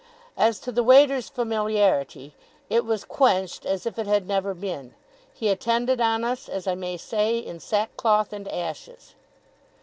As to the waiter's familiarity, it was quenched as if it had never been. He attended on us, as I may say, in sackcloth and ashes.